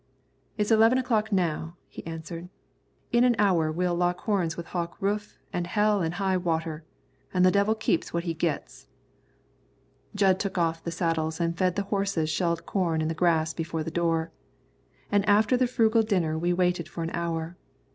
"It's eleven o'clock now," he answered. "In an hour we'll lock horns with Hawk Rufe an' hell an' high water, an' the devil keeps what he gits." Jud took off the saddles and fed the horses shelled corn in the grass before the door, and after the frugal dinner we waited for an hour.